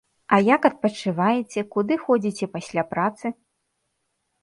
А як адпачываеце, куды ходзіце пасля працы?